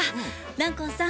南光さん